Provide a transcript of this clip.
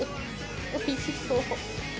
おいしそう。